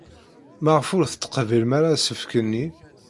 Maɣef ur teqbilem ara asefk-nni?